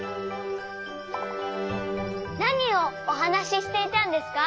なにをおはなししていたんですか？